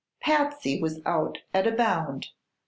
Patsy was out at a bound.